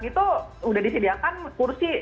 gitu udah disediakan kursi